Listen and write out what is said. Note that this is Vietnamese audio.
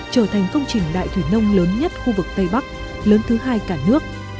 trở thành công trình đại thủy nông lớn nhất khu vực tây bắc lớn thứ hai cả nước